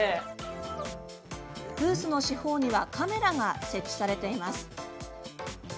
ブースの四方にはカメラが設置されています。